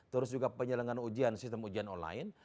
terus juga penyelenggaran ujian sistem ujian online